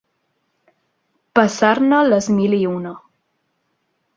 Passar-ne les mil i una.